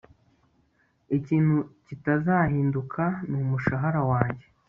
Ikintu kitazahinduka ni umushahara wanjye